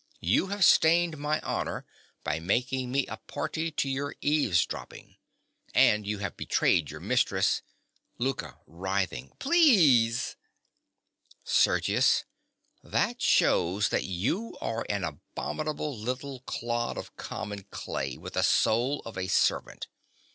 You have stained my honor by making me a party to your eavesdropping. And you have betrayed your mistress— LOUKA. (writhing). Please— SERGIUS. That shews that you are an abominable little clod of common clay, with the soul of a servant.